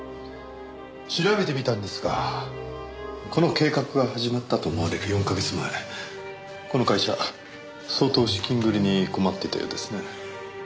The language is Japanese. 調べてみたんですがこの計画が始まったと思われる４カ月前この会社相当資金繰りに困っていたようですね。